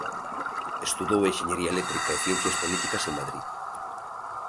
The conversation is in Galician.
Estudou Enxeñería Eléctrica e Ciencias Políticas en Madrid.